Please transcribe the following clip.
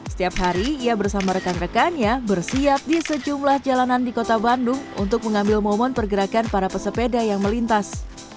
setiap hari ia bersama rekan rekannya bersiap di sejumlah jalanan di kota bandung untuk mengambil momen pergerakan para pesepeda yang melintas